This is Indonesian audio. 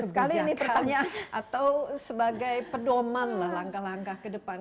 untuk membuat kebijakan atau sebagai pedoman lah langkah langkah ke depan